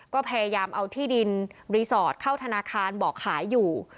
ก็พยายามเอาที่ดินรีสอร์ทเข้าธนาคารบอกขายอยู่